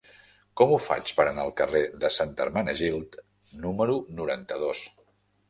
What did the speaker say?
Com ho faig per anar al carrer de Sant Hermenegild número noranta-dos?